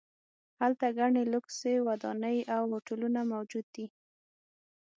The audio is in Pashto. هلته ګڼې لوکسې ودانۍ او هوټلونه موجود دي.